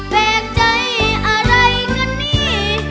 แปลกใจอะไรกันนี่